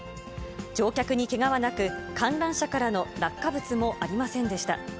乗客にけがはなく、観覧車からの落下物もありませんでした。